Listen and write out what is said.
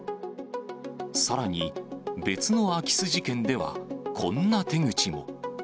さらに、別の空き巣事件では、こんな手口も。